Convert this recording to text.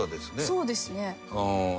そうですね。